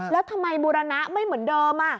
แล้วทำไมบูรณะไม่เหมือนเดิม